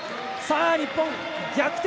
日本、逆転。